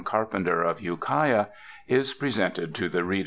Carpenter, of Ukiah, is presented to the reader.